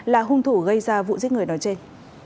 là hung thủ gây ra vụ giết người nói trên